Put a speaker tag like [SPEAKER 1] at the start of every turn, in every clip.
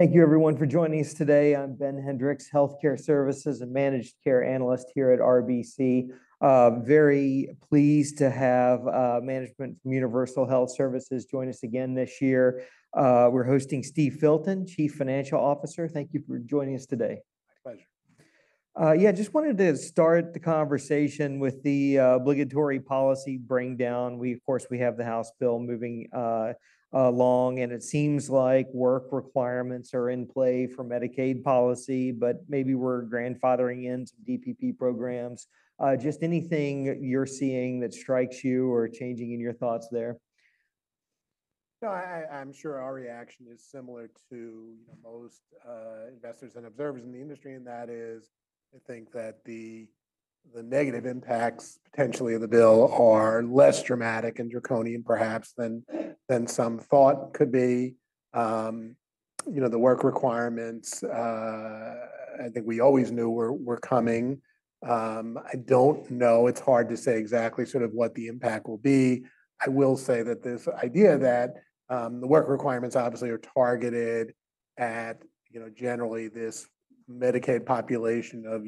[SPEAKER 1] Thank you, everyone, for joining us today. I'm Ben Hendricks, Healthcare Services and Managed Care Analyst here at RBC. Very pleased to have management from Universal Health Services join us again this year. We're hosting Steve Filton, Chief Financial Officer. Thank you for joining us today.
[SPEAKER 2] My pleasure.
[SPEAKER 1] Yeah, just wanted to start the conversation with the obligatory policy breakdown. We, of course, have the House bill moving along, and it seems like work requirements are in play for Medicaid policy, but maybe we're grandfathering in some DPP programs. Just anything you're seeing that strikes you or changing in your thoughts there?
[SPEAKER 2] No, I'm sure our reaction is similar to most investors and observers in the industry, and that is, I think that the negative impacts potentially of the bill are less dramatic and draconian, perhaps, than some thought could be. You know, the work requirements, I think we always knew were coming. I don't know, it's hard to say exactly sort of what the impact will be. I will say that this idea that the work requirements obviously are targeted at, you know, generally this Medicaid population of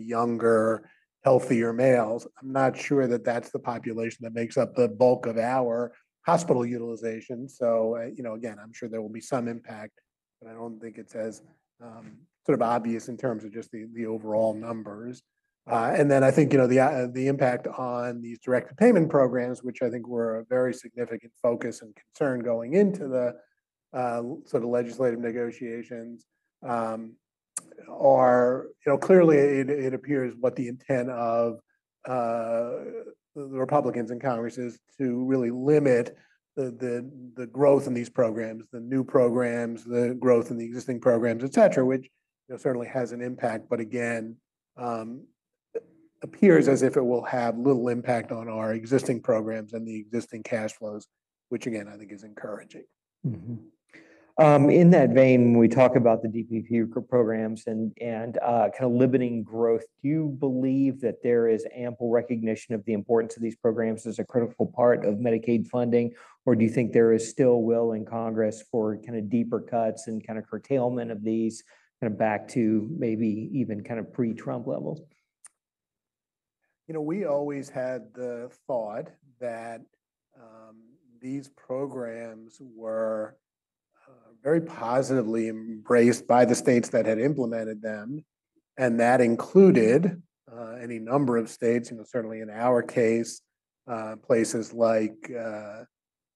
[SPEAKER 2] younger, healthier males. I'm not sure that that's the population that makes up the bulk of our hospital utilization. You know, again, I'm sure there will be some impact, but I don't think it's as sort of obvious in terms of just the overall numbers. I think, you know, the impact on these direct payment programs, which I think were a very significant focus and concern going into the sort of legislative negotiations, are, you know, clearly it appears what the intent of the Republicans in Congress is to really limit the growth in these programs, the new programs, the growth in the existing programs, et cetera, which, you know, certainly has an impact, but again, appears as if it will have little impact on our existing programs and the existing cash flows, which again, I think is encouraging.
[SPEAKER 1] In that vein, when we talk about the DPP programs and kind of limiting growth, do you believe that there is ample recognition of the importance of these programs as a critical part of Medicaid funding, or do you think there is still will in Congress for kind of deeper cuts and kind of curtailment of these kind of back to maybe even kind of pre-Trump levels?
[SPEAKER 2] You know, we always had the thought that these programs were very positively embraced by the states that had implemented them, and that included any number of states, you know, certainly in our case, places like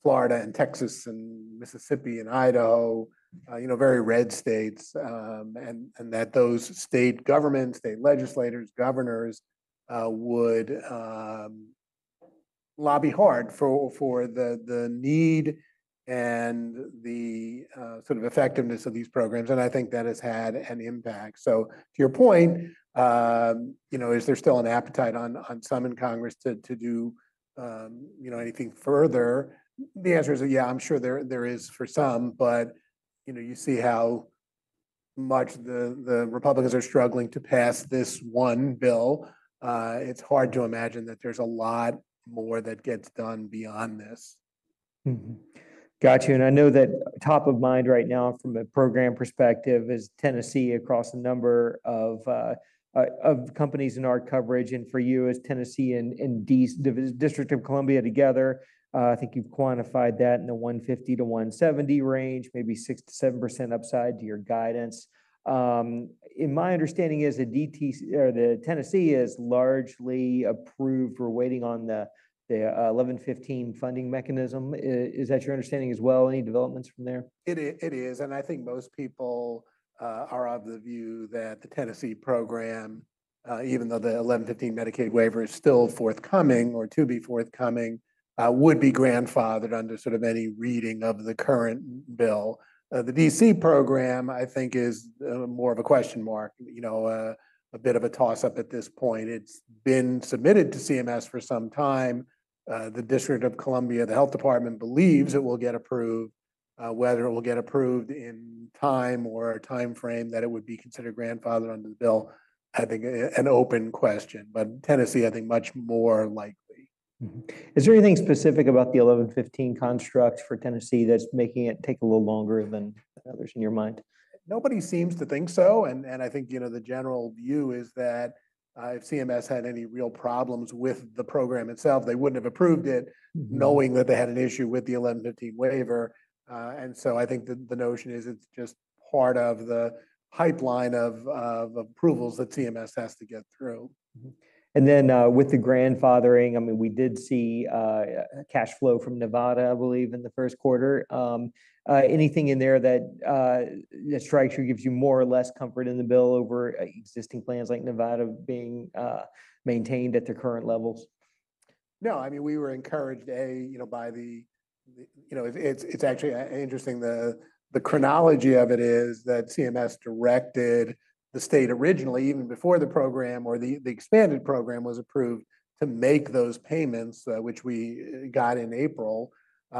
[SPEAKER 2] Florida and Texas and Mississippi and Idaho, you know, very red states, and that those state governments, state legislators, governors would lobby hard for the need and the sort of effectiveness of these programs. I think that has had an impact. To your point, you know, is there still an appetite on some in Congress to do, you know, anything further? The answer is that, yeah, I'm sure there is for some, but, you know, you see how much the Republicans are struggling to pass this one bill. It's hard to imagine that there's a lot more that gets done beyond this.
[SPEAKER 1] Got you. I know that top of mind right now from a program perspective is Tennessee across a number of companies in our coverage. For you as Tennessee and District of Columbia together, I think you've quantified that in the $150 million-$170 million range, maybe 6%-7% upside to your guidance. In my understanding, Tennessee is largely approved for waiting on the 1115 funding mechanism. Is that your understanding as well? Any developments from there?
[SPEAKER 2] It is. I think most people are of the view that the Tennessee program, even though the 1115 Medicaid waiver is still forthcoming or to be forthcoming, would be grandfathered under sort of any reading of the current bill. The DC program, I think, is more of a question mark, you know, a bit of a toss-up at this point. It's been submitted to CMS for some time. The District of Columbia, the health department believes it will get approved. Whether it will get approved in time or a timeframe that it would be considered grandfathered under the bill, I think an open question. Tennessee, I think much more likely.
[SPEAKER 1] Is there anything specific about the 1115 construct for Tennessee that's making it take a little longer than others in your mind?
[SPEAKER 2] Nobody seems to think so. I think, you know, the general view is that if CMS had any real problems with the program itself, they wouldn't have approved it knowing that they had an issue with the 1115 waiver. I think the notion is it's just part of the pipeline of approvals that CMS has to get through.
[SPEAKER 1] With the grandfathering, I mean, we did see cash flow from Nevada, I believe, in the first quarter. Anything in there that strikes you, gives you more or less comfort in the bill over existing plans like Nevada being maintained at their current levels?
[SPEAKER 2] No, I mean, we were encouraged, A, you know, by the, you know, it's actually interesting, the chronology of it is that CMS directed the state originally, even before the program or the expanded program was approved, to make those payments, which we got in April.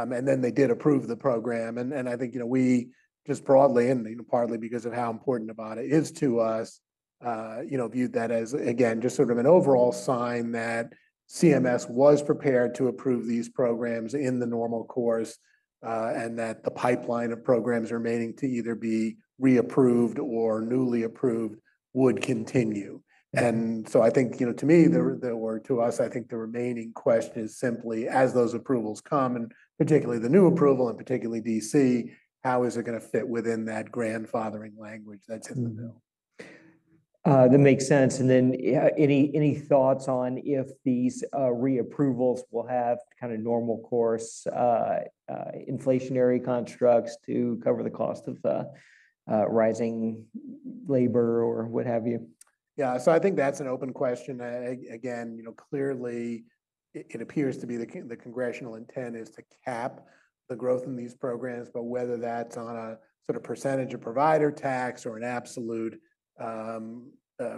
[SPEAKER 2] They did approve the program. I think, you know, we just broadly, and partly because of how important Nevada is to us, you know, viewed that as, again, just sort of an overall sign that CMS was prepared to approve these programs in the normal course and that the pipeline of programs remaining to either be reapproved or newly approved would continue. I think, you know, to me, or to us, I think the remaining question is simply, as those approvals come, and particularly the new approval, and particularly DC, how is it going to fit within that grandfathering language that's in the bill?
[SPEAKER 1] That makes sense. Any thoughts on if these reapprovals will have kind of normal course, inflationary constructs to cover the cost of rising labor or what have you?
[SPEAKER 2] Yeah, so I think that's an open question. Again, you know, clearly it appears to be the congressional intent is to cap the growth in these programs, but whether that's on a sort of percentage of provider tax or an absolute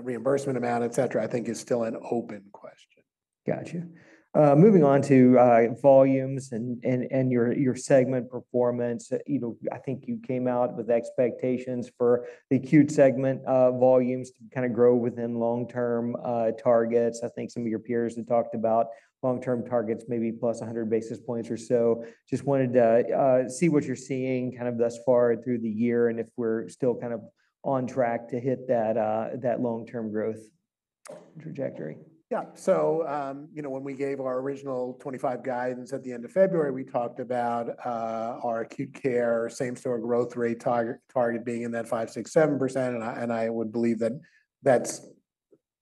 [SPEAKER 2] reimbursement amount, et cetera, I think is still an open question.
[SPEAKER 1] Got you. Moving on to volumes and your segment performance, you know, I think you came out with expectations for the acute segment volumes to kind of grow within long-term targets. I think some of your peers had talked about long-term targets, maybe plus 100 basis points or so. Just wanted to see what you're seeing kind of thus far through the year and if we're still kind of on track to hit that long-term growth trajectory.
[SPEAKER 2] Yeah, so, you know, when we gave our original 2025 guidance at the end of February, we talked about our acute care, same store growth rate target being in that 5%-6%-7% range. And I would believe that that's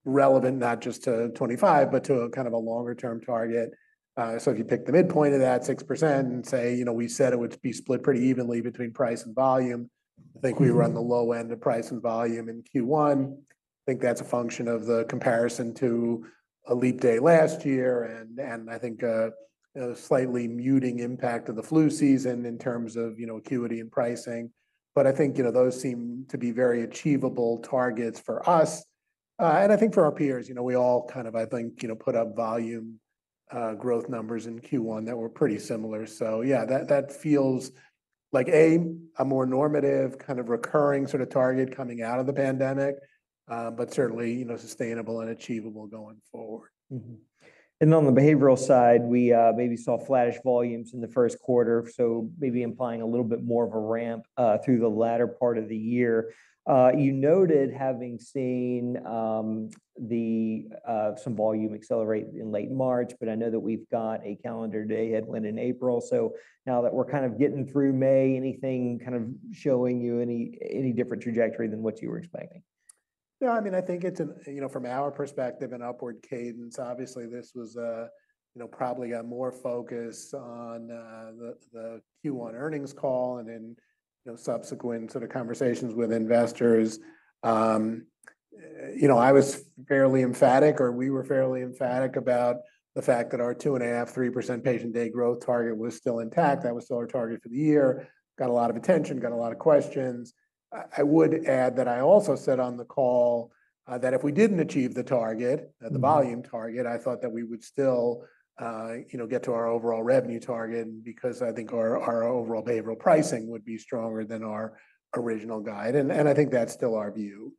[SPEAKER 2] relevant, not just to 2025, but to a kind of a longer-term target. So if you pick the midpoint of that 6% and say, you know, we said it would be split pretty evenly between price and volume, I think we were on the low end of price and volume in Q1. I think that's a function of the comparison to a leap day last year and I think a slightly muting impact of the flu season in terms of, you know, acuity and pricing. But I think, you know, those seem to be very achievable targets for us. I think for our peers, you know, we all kind of, I think, you know, put up volume growth numbers in Q1 that were pretty similar. Yeah, that feels like, A, a more normative kind of recurring sort of target coming out of the pandemic, but certainly, you know, sustainable and achievable going forward.
[SPEAKER 1] On the behavioral side, we maybe saw flattish volumes in the first quarter, so maybe implying a little bit more of a ramp through the latter part of the year. You noted having seen some volume accelerate in late March, but I know that we've got a calendar day headwind in April. Now that we're kind of getting through May, anything kind of showing you any different trajectory than what you were expecting?
[SPEAKER 2] Yeah, I mean, I think it's, you know, from our perspective, an upward cadence. Obviously, this was, you know, probably a more focus on the Q1 earnings call and then, you know, subsequent sort of conversations with investors. You know, I was fairly emphatic, or we were fairly emphatic about the fact that our 2.5%-3% patient day growth target was still intact. That was still our target for the year. Got a lot of attention, got a lot of questions. I would add that I also said on the call that if we didn't achieve the target, the volume target, I thought that we would still, you know, get to our overall revenue target because I think our overall behavioral pricing would be stronger than our original guide. And I think that's still our view.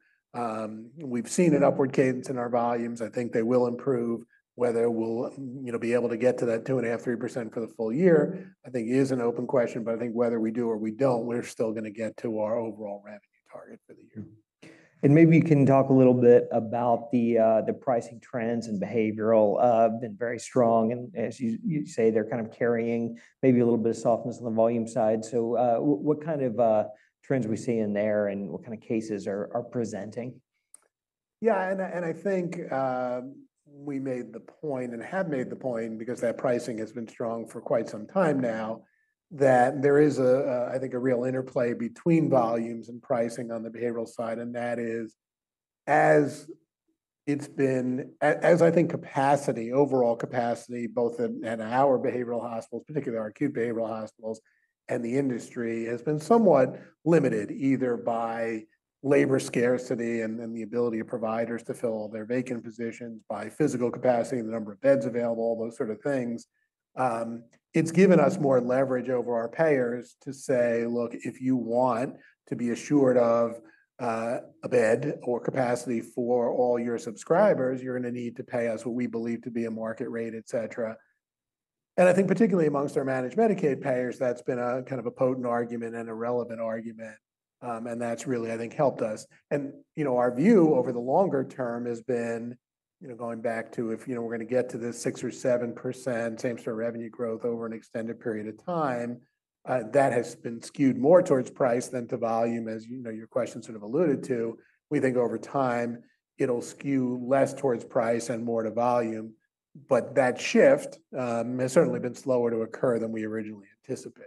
[SPEAKER 2] We've seen an upward cadence in our volumes. I think they will improve. Whether we'll, you know, be able to get to that 2.5%-3% for the full year, I think is an open question, but I think whether we do or we don't, we're still going to get to our overall revenue target for the year.
[SPEAKER 1] Maybe you can talk a little bit about the pricing trends, and behavioral have been very strong. As you say, they're kind of carrying maybe a little bit of softness on the volume side. What kind of trends are we seeing there, and what kind of cases are presenting?
[SPEAKER 2] Yeah, and I think we made the point and have made the point because that pricing has been strong for quite some time now, that there is, I think, a real interplay between volumes and pricing on the behavioral side. That is, as it's been, as I think capacity, overall capacity, both in our behavioral hospitals, particularly our acute behavioral hospitals, and the industry has been somewhat limited either by labor scarcity and the ability of providers to fill their vacant positions, by physical capacity, the number of beds available, all those sort of things. It's given us more leverage over our payers to say, look, if you want to be assured of a bed or capacity for all your subscribers, you're going to need to pay us what we believe to be a market rate, et cetera. I think particularly amongst our managed Medicaid payers, that's been a kind of a potent argument and a relevant argument. That's really, I think, helped us. You know, our view over the longer term has been, you know, going back to if, you know, we're going to get to the 6-7% same store revenue growth over an extended period of time, that has been skewed more towards price than to volume, as you know, your question sort of alluded to. We think over time it'll skew less towards price and more to volume, but that shift has certainly been slower to occur than we originally anticipated.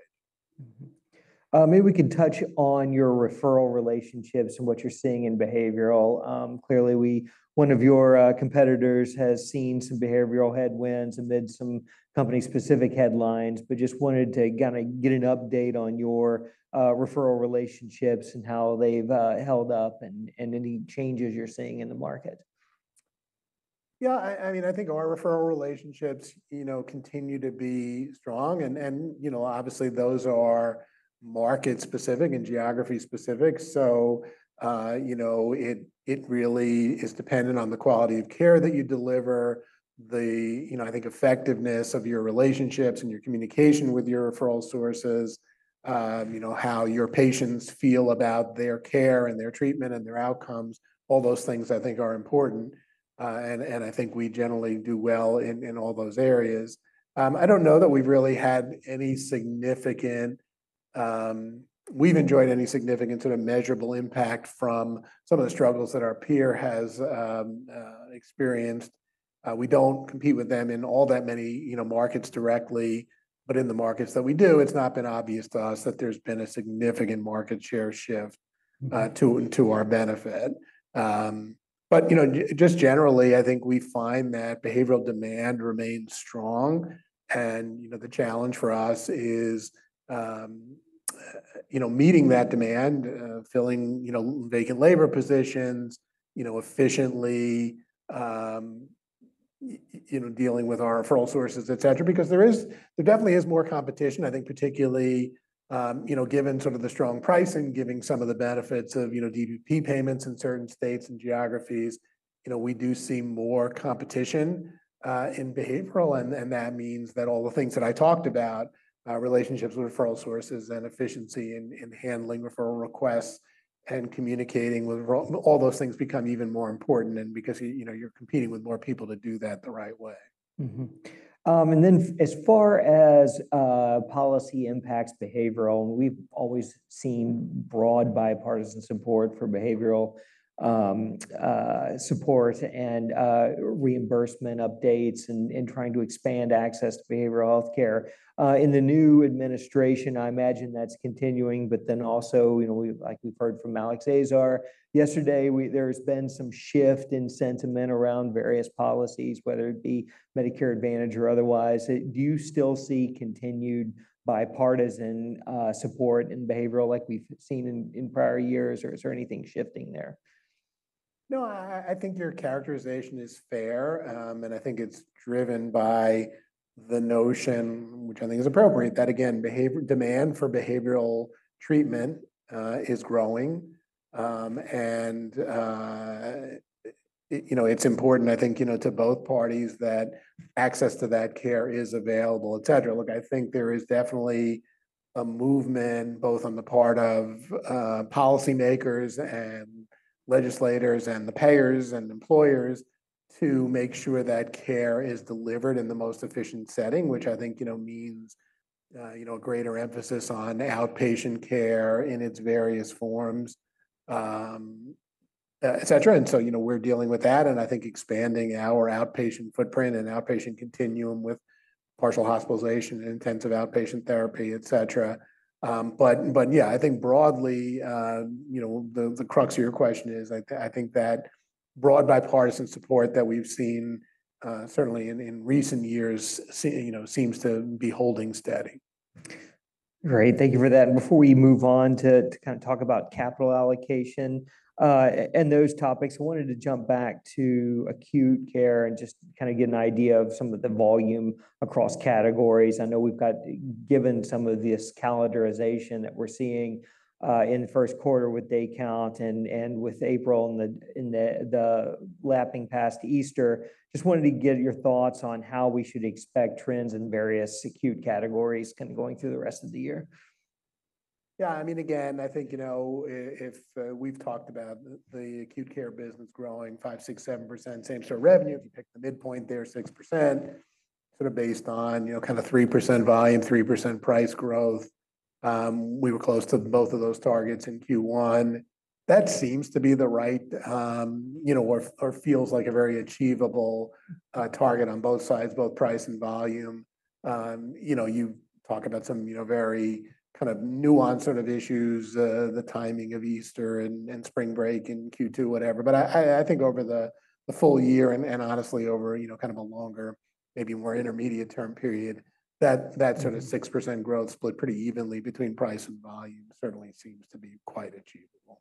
[SPEAKER 1] Maybe we can touch on your referral relationships and what you're seeing in behavioral. Clearly, one of your competitors has seen some behavioral headwinds amid some company-specific headlines, but just wanted to kind of get an update on your referral relationships and how they've held up and any changes you're seeing in the market.
[SPEAKER 2] Yeah, I mean, I think our referral relationships, you know, continue to be strong. You know, obviously those are market-specific and geography-specific. You know, it really is dependent on the quality of care that you deliver, the, you know, I think effectiveness of your relationships and your communication with your referral sources, you know, how your patients feel about their care and their treatment and their outcomes, all those things I think are important. I think we generally do well in all those areas. I don't know that we've really had any significant, we've enjoyed any significant sort of measurable impact from some of the struggles that our peer has experienced. We don't compete with them in all that many, you know, markets directly, but in the markets that we do, it's not been obvious to us that there's been a significant market share shift to our benefit. You know, just generally, I think we find that behavioral demand remains strong. You know, the challenge for us is, you know, meeting that demand, filling, you know, vacant labor positions, you know, efficiently, you know, dealing with our referral sources, et cetera, because there is, there definitely is more competition. I think particularly, you know, given sort of the strong price and giving some of the benefits of, you know, DPP payments in certain states and geographies, you know, we do see more competition in behavioral. That means that all the things that I talked about, relationships with referral sources and efficiency in handling referral requests and communicating with all those things become even more important because, you know, you're competing with more people to do that the right way.
[SPEAKER 1] As far as policy impacts behavioral, we've always seen broad bipartisan support for behavioral support and reimbursement updates and trying to expand access to behavioral healthcare. In the new administration, I imagine that's continuing, but then also, you know, like we've heard from Alex Azar yesterday, there's been some shift in sentiment around various policies, whether it be Medicare Advantage or otherwise. Do you still see continued bipartisan support in behavioral like we've seen in prior years, or is there anything shifting there?
[SPEAKER 2] No, I think your characterization is fair. I think it's driven by the notion, which I think is appropriate, that again, demand for behavioral treatment is growing. You know, it's important, I think, you know, to both parties that access to that care is available, et cetera. Look, I think there is definitely a movement both on the part of policymakers and legislators and the payers and employers to make sure that care is delivered in the most efficient setting, which I think, you know, means, you know, a greater emphasis on outpatient care in its various forms, et cetera. You know, we're dealing with that. I think expanding our outpatient footprint and outpatient continuum with partial hospitalization and intensive outpatient therapy, et cetera. Yeah, I think broadly, you know, the crux of your question is, I think that broad bipartisan support that we've seen certainly in recent years, you know, seems to be holding steady.
[SPEAKER 1] Great. Thank you for that. Before we move on to kind of talk about capital allocation and those topics, I wanted to jump back to acute care and just kind of get an idea of some of the volume across categories. I know we've got given some of this calendarization that we're seeing in the first quarter with day count and with April and the lapping past Easter. Just wanted to get your thoughts on how we should expect trends in various acute categories kind of going through the rest of the year.
[SPEAKER 2] Yeah, I mean, again, I think, you know, if we've talked about the acute care business growing 5%-7% same store revenue, if you take the midpoint there, 6%, sort of based on, you know, kind of 3% volume, 3% price growth, we were close to both of those targets in Q1. That seems to be the right, you know, or feels like a very achievable target on both sides, both price and volume. You know, you talk about some, you know, very kind of nuanced sort of issues, the timing of Easter and spring break in Q2, whatever. I think over the full year and honestly over, you know, kind of a longer, maybe more intermediate term period, that sort of 6% growth split pretty evenly between price and volume certainly seems to be quite achievable.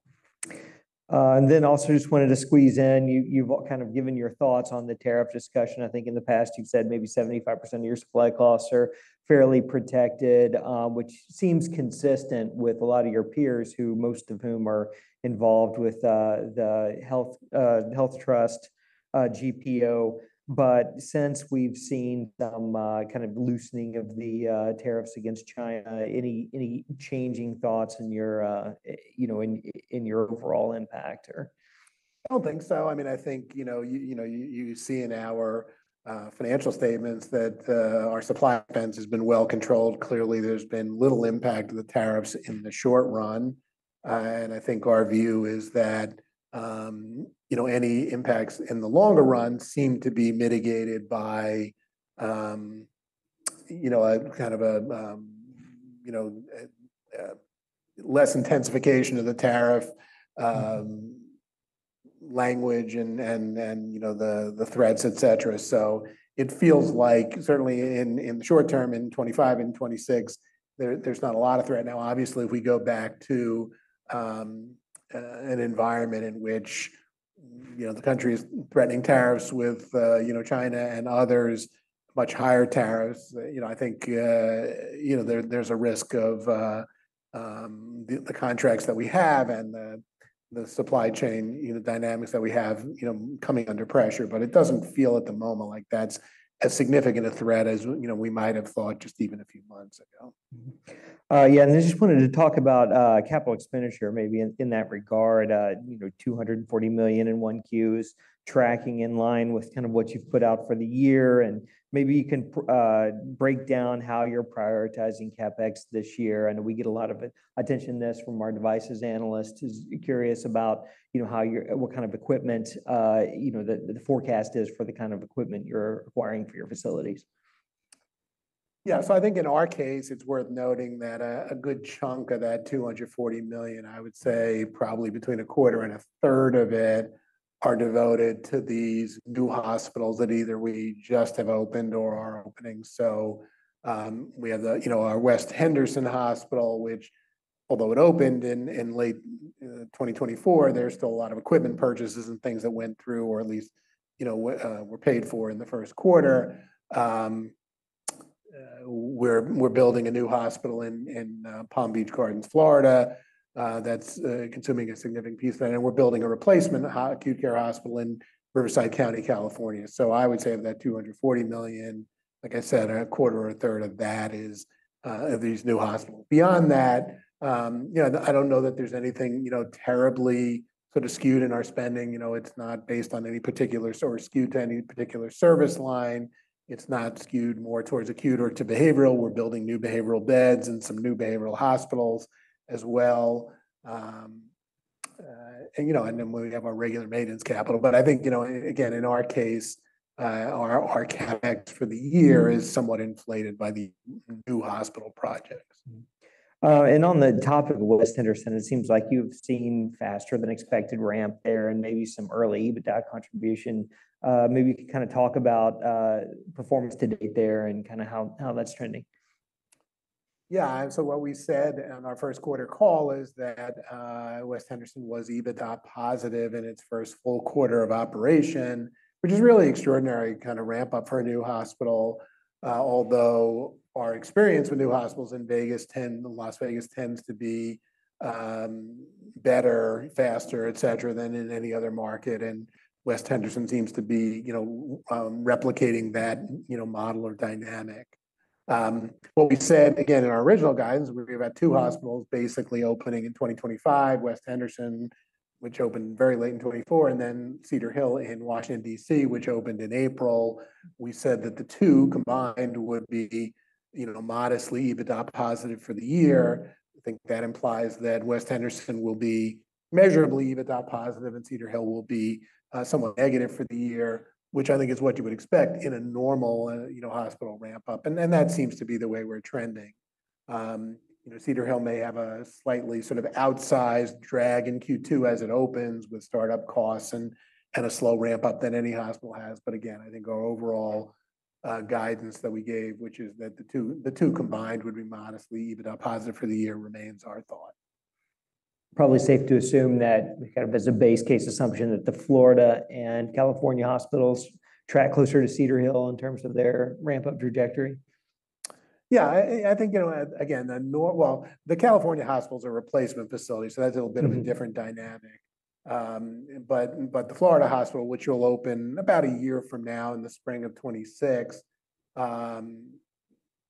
[SPEAKER 1] I just wanted to squeeze in, you've kind of given your thoughts on the tariff discussion. I think in the past you've said maybe 75% of your supply costs are fairly protected, which seems consistent with a lot of your peers, most of whom are involved with the HealthTrust GPO. Since we've seen some kind of loosening of the tariffs against China, any changing thoughts in your, you know, in your overall impact?
[SPEAKER 2] I don't think so. I mean, I think, you know, you see in our financial statements that our supply fence has been well controlled. Clearly, there's been little impact of the tariffs in the short run. I think our view is that, you know, any impacts in the longer run seem to be mitigated by, you know, kind of a, you know, less intensification of the tariff language and, you know, the threats, et cetera. It feels like certainly in the short term in 2025 and 2026, there's not a lot of threat. Now, obviously, if we go back to an environment in which, you know, the country is threatening tariffs with, you know, China and others, much higher tariffs, you know, I think, you know, there's a risk of the contracts that we have and the supply chain, you know, dynamics that we have, you know, coming under pressure. It doesn't feel at the moment like that's as significant a threat as, you know, we might have thought just even a few months ago.
[SPEAKER 1] Yeah. I just wanted to talk about capital expenditure maybe in that regard, you know, $240 million in 1Q is tracking in line with kind of what you've put out for the year. Maybe you can break down how you're prioritizing CapEx this year. I know we get a lot of attention to this from our devices analysts. Curious about, you know, how you're, what kind of equipment, you know, the forecast is for the kind of equipment you're acquiring for your facilities.
[SPEAKER 2] Yeah. So I think in our case, it's worth noting that a good chunk of that $240 million, I would say probably between a quarter and a 3rd of it are devoted to these new hospitals that either we just have opened or are opening. We have the, you know, our West Henderson Hospital, which although it opened in late 2024, there's still a lot of equipment purchases and things that went through or at least, you know, were paid for in the first quarter. We're building a new hospital in Palm Beach Gardens, Florida that's consuming a significant piece of that. We're building a replacement acute care hospital in Riverside County, California. I would say of that $240 million, like I said, a quarter or a 3rd of that is of these new hospitals. Beyond that, you know, I don't know that there's anything, you know, terribly sort of skewed in our spending. You know, it's not based on any particular sort of skewed to any particular service line. It's not skewed more towards acute or to behavioral. We're building new behavioral beds and some new behavioral hospitals as well. You know, and then we have our regular maintenance capital. I think, you know, again, in our case, our CapEx for the year is somewhat inflated by the new hospital projects.
[SPEAKER 1] On the topic of West Henderson, it seems like you've seen faster than expected ramp there and maybe some early EBITDA contribution. Maybe you could kind of talk about performance to date there and kind of how that's trending.
[SPEAKER 2] Yeah. And what we said in our first quarter call is that West Henderson was EBITDA positive in its 1st full quarter of operation, which is really extraordinary kind of ramp up for a new hospital. Although our experience with new hospitals in Vegas, Las Vegas tends to be better, faster, et cetera, than in any other market. And West Henderson seems to be, you know, replicating that, you know, model or dynamic. What we said again in our original guidance, we have two hospitals basically opening in 2025, West Henderson, which opened very late in 2024, and then Cedar Hill in Washington, DC, which opened in April. We said that the two combined would be, you know, modestly EBITDA positive for the year. I think that implies that West Henderson will be measurably EBITDA positive and Cedar Hill will be somewhat negative for the year, which I think is what you would expect in a normal, you know, hospital ramp up. That seems to be the way we're trending. You know, Cedar Hill may have a slightly sort of outsized drag in Q2 as it opens with startup costs and a slow ramp up than any hospital has. Again, I think our overall guidance that we gave, which is that the two combined would be modestly EBITDA positive for the year, remains our thought.
[SPEAKER 1] Probably safe to assume that kind of as a base case assumption that the Florida and California hospitals track closer to Cedar Hill in terms of their ramp up trajectory.
[SPEAKER 2] Yeah. I think, you know, again, the California hospitals are replacement facilities, so that's a little bit of a different dynamic. The Florida hospital, which will open about a year from now in the spring of 2026,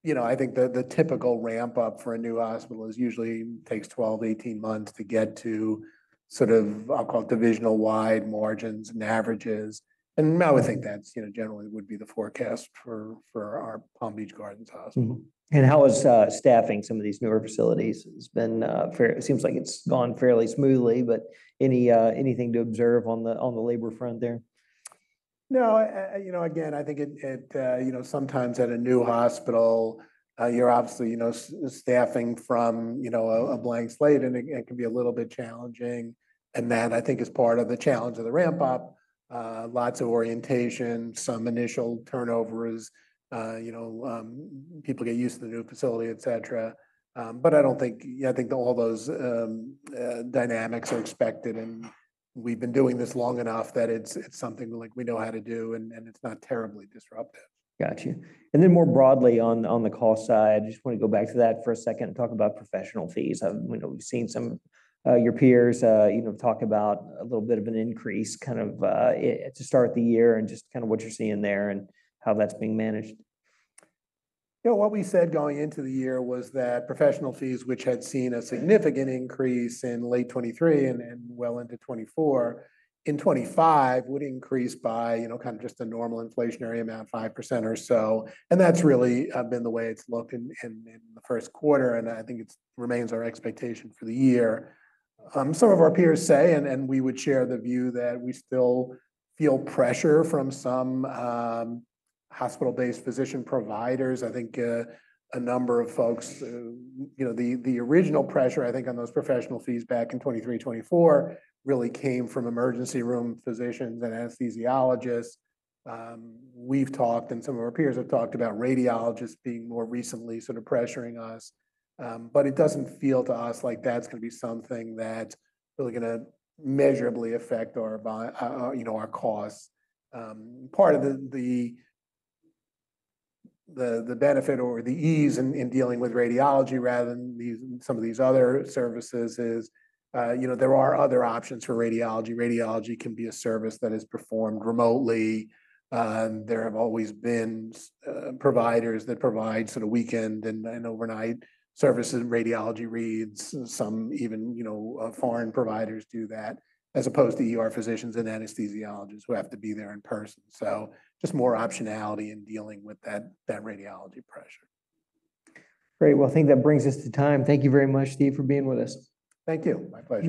[SPEAKER 2] you know, I think the typical ramp up for a new hospital usually takes 12-18 months to get to sort of, I'll call it, divisional wide margins and averages. I would think that's, you know, generally would be the forecast for our Palm Beach Gardens hospital.
[SPEAKER 1] How has staffing some of these newer facilities been? It seems like it's gone fairly smoothly, but anything to observe on the labor front there?
[SPEAKER 2] No, you know, again, I think it, you know, sometimes at a new hospital, you're obviously, you know, staffing from, you know, a blank slate and it can be a little bit challenging. That I think is part of the challenge of the ramp up. Lots of orientation, some initial turnovers, you know, people get used to the new facility, et cetera. I don't think, I think all those dynamics are expected. We've been doing this long enough that it's something like we know how to do and it's not terribly disruptive.
[SPEAKER 1] Gotcha. More broadly on the cost side, I just want to go back to that for a second and talk about professional fees. You know, we've seen some of your peers, you know, talk about a little bit of an increase kind of to start the year and just kind of what you're seeing there and how that's being managed.
[SPEAKER 2] You know, what we said going into the year was that professional fees, which had seen a significant increase in late 2023 and well into 2024, in 2025 would increase by, you know, kind of just a normal inflationary amount, 5% or so. That has really been the way it has looked in the first quarter. I think it remains our expectation for the year. Some of our peers say, and we would share the view, that we still feel pressure from some hospital-based physician providers. I think a number of folks, you know, the original pressure, I think, on those professional fees back in 2023, 2024 really came from emergency room physicians and anesthesiologists. We have talked, and some of our peers have talked, about radiologists being more recently sort of pressuring us. It does not feel to us like that is going to be something that is really going to measurably affect our, you know, our costs. Part of the benefit or the ease in dealing with radiology rather than some of these other services is, you know, there are other options for radiology. Radiology can be a service that is performed remotely. There have always been providers that provide sort of weekend and overnight services and radiology reads. Some even, you know, foreign providers do that as opposed to physicians and anesthesiologists who have to be there in person. Just more optionality in dealing with that radiology pressure.
[SPEAKER 1] Great. I think that brings us to time. Thank you very much, Steve, for being with us.
[SPEAKER 2] Thank you. My pleasure.